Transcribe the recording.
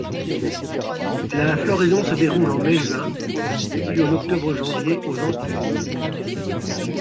La floraison se déroule en mai-juin puis en octobre-janvier, aux Antilles.